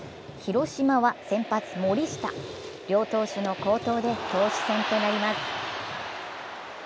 広島は、先発・森下両投手の好投で投手戦となります。